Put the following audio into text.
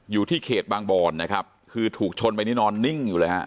อยู่ที่เขตบางบอนนะครับคือถูกชนไปนี่นอนนิ่งอยู่เลยฮะ